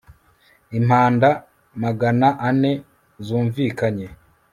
Impanda magana ane zumvikanye